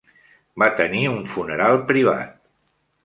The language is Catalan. Va tenir un funeral privat.